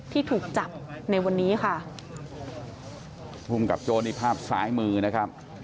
ที่ถูกจับในวันนี้ค่ะภูมิกับโจ้นี่ภาพซ้ายมือนะครับ